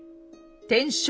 天正